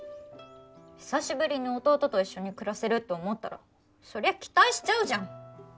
久しぶりに弟と一緒に暮らせると思ったらそりゃ期待しちゃうじゃん。